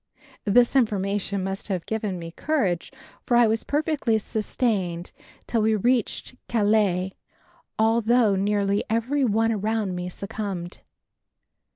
This information must have given me courage, for I was perfectly sustained till we reached Calais, although nearly every one around me succumbed.